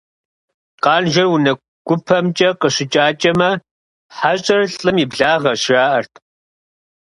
Къанжэр унэ гупэмкӀэ къыщыкӀакӀэмэ, хьэщӀэр лӀым и благъэщ, жаӀэрт.